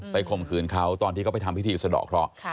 ไปคมขืนเขาตอนที่เขาไปทำพิธีสดอกเถาะ